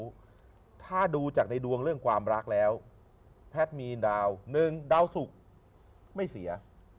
ถ้าดูจากในดวงเรื่องความรักแล้วแพทย์มีดาวหนึ่งดาวสุกไม่เสีย